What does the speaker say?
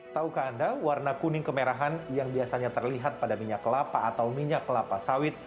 taukah anda warna kuning kemerahan yang biasanya terlihat pada minyak kelapa atau minyak kelapa sawit